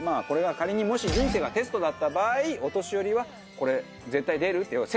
これが仮にもし人生がテストだった場合お年寄りはこれ絶対出るって。